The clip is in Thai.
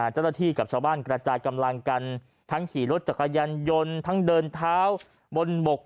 เจ้าหน้าที่กับชาวบ้านกระจายกำลังกันทั้งขี่รถจักรยานยนต์ทั้งเดินเท้าบนบก